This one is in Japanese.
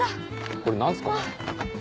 これ何すか？